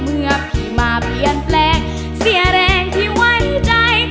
เมื่อพี่มาเปลี่ยนแปลงเสียแรงที่ไว้ใจ